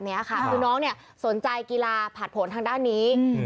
เนี้ยค่ะคือน้องเนี้ยสนใจกีฬาผัดผลทางด้านนี้อืม